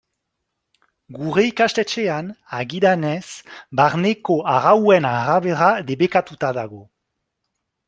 Gure ikastetxean, agidanez, barneko arauen arabera debekatuta dago.